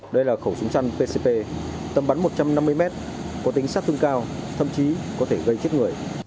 đây là khẩu súng săn pcp tầm bắn một trăm năm mươi mét có tính sát thương cao thậm chí có thể gây chết người